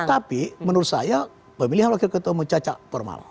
tetapi menurut saya pemilihan wakil ketua umum cacat formal